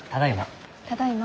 ただいま。